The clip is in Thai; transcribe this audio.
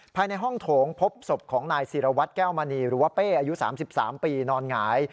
ภายในห้องโถงพบศพของนายศิรวัตรแก้วมณีหรือว่าเป้อายุ๓๓ปีนอนหงาย